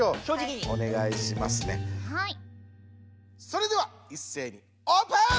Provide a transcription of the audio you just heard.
それではいっせいにオープン！